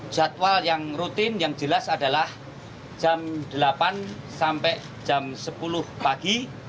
jadwal yang rutin yang jelas adalah jam delapan sampai jam sepuluh pagi